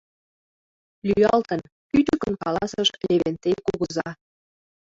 — Лӱалтын, — кӱчыкын каласыш Левентей кугыза.